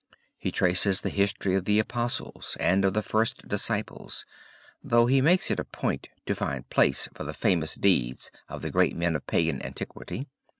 He traces the history of the Apostles and of the first Disciples, though he makes it a point to find place for the famous deeds of the great men of Pagan antiquity.